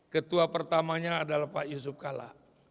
ketua pertamanya adalah pak yusuf kalla